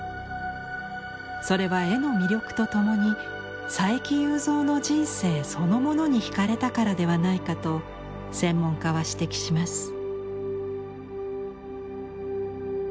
それは絵の魅力と共に佐伯祐三の人生そのものにひかれたからではないかと専門家は指摘します。